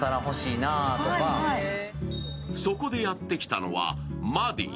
そこでやってきたのはＭａｄｙ。